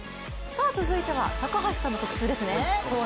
続いては高橋さんの特集ですね。